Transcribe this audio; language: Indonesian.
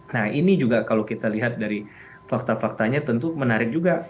nah ini juga kalau kita lihat dari fakta faktanya tentu menarik juga